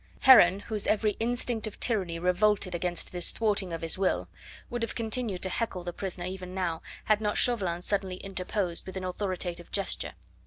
Heron, whose every instinct of tyranny revolted against this thwarting of his will, would have continued to heckle the prisoner even now, had not Chauvelin suddenly interposed with an authoritative gesture.